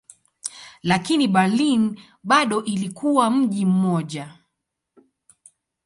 Lakini Berlin bado ilikuwa mji mmoja.